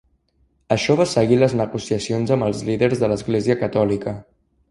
Això va seguir les negociacions amb els líders de l'església catòlica.